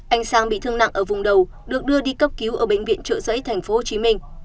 anh sang bị thương nặng ở vùng đầu được đưa đi cấp cứu ở bệnh viện trợ giấy tp hcm